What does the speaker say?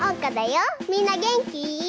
みんなげんき？